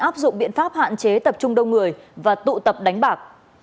áp dụng biện pháp hạn chế tập trung đông người và tụ tập đánh bạc